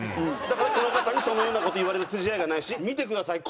だからその方にそのような事を言われる筋合いがないし見てください